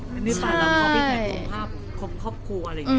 ตอนนี้ต้องถือถ้าเพียงภาพครบครัวอะไรยังไง